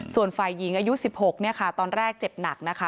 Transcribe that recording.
ส่วนฝ่ายหญิงอายุ๑๖เนี่ยค่ะตอนแรกเจ็บหนักนะคะ